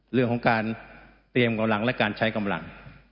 เรื่องของการเตรียมกำลังและการใช้กำลัง